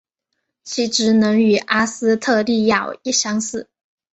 其职能与阿斯特莉亚相似。